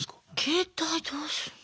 携帯どうすんの？